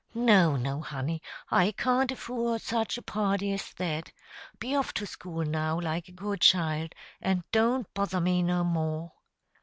No, no, honey, I can't affoord such a party as that. Be off to school now, like a good child, and don't bother me no more."